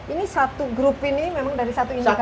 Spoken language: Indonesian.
ini satu grup ini memang dari satu indukan ya